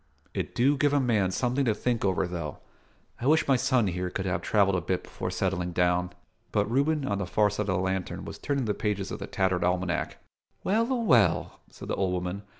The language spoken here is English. It do give a man something to think over, though. I wish my son here could have travelled a bit before settlin' down." But Reuben, on the far side of the lantern, was turning the pages of the tattered almanack. "Well a well!" said the old woman.